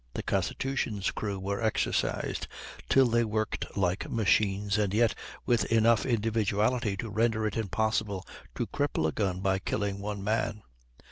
The Constitution's crew were exercised till they worked like machines, and yet with enough individuality to render it impossible to cripple a gun by killing one man.